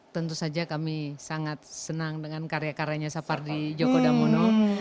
tentu saja kami sangat senang dengan karya karyanya sapardi joko damono